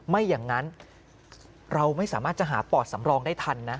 ไม่อย่างนั้นเราไม่สามารถจะหาปอดสำรองได้ทันนะ